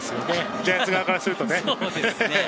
ジャイアンツ側からするとね。